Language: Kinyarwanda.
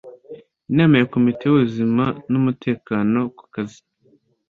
inama ya komite y ubuzima n umutekano ku kazi